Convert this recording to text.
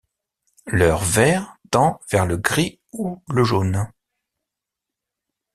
Leur vert tend vers le gris ou le jaune.